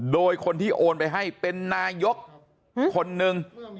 โดยคนที่โอนไปให้เป็นนายกคนนึง